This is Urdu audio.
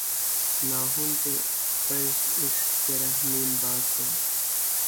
ناخن پہ قرض اس گرہ نیم باز کا